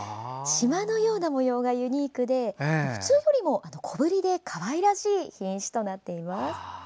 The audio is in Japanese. しまのような模様がユニークで普通より小ぶりでかわいらしい品種となっています。